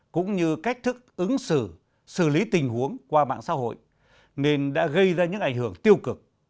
cũng như cách thức ứng xử xử lý tình huống qua mạng xã hội nên đã gây ra những ảnh hưởng tiêu cực